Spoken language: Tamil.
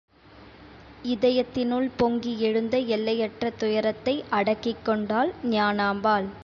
இதயத்தினுள் பொங்கியெழுந்த எல்லையற்ற துயரத்தை அடக்கிக் கொண்டாள் ஞானாம்பாள்.